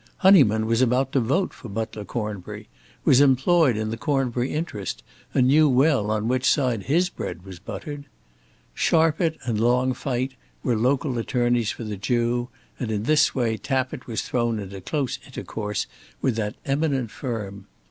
Honyman was about to vote for Butler Cornbury, was employed in the Cornbury interest, and knew well on which side his bread was buttered. Sharpit and Longfite were local attorneys for the Jew, and in this way Tappitt was thrown into close intercourse with that eminent firm.